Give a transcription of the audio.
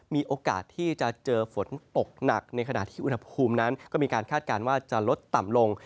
มีโอกาสที่จะเจอฝนตกหนักในขณะที่อุณหภูมินั้นก็มีการคาดการณ์ว่าจะลดต่ำลง